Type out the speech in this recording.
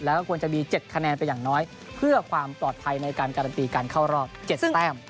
แล้วก็ควรจะมี๗คะแนนไปอย่างน้อยเพื่อความปลอดภัยในการการันตีการเข้ารอบ๗แต้ม